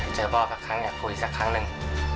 เจอพ่อสักครั้งอยากคุยสักครั้งหนึ่ง